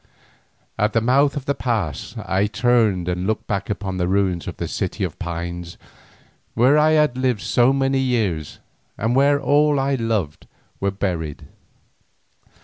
At the mouth of the pass I turned and looked back upon the ruins of the City of Pines, where I had lived so many years and where all I loved were buried.